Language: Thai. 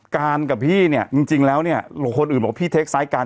การกับพี่เนี่ยจริงแล้วเนี่ยคนอื่นบอกพี่เทคซ้ายการ